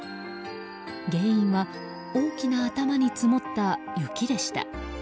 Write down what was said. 原因は、大きな頭に積もった雪でした。